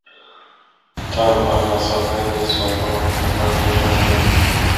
Tant Alma satte henne i soffan och högg genast i.